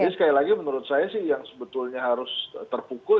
tapi sekali lagi menurut saya sih yang sebetulnya harus terpukul